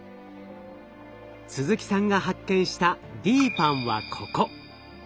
鈴木さんが発見したＤＰＡＮＮはここ。